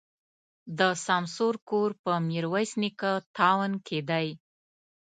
د سمسور کور په ميروایس نیکه تاون کي دی.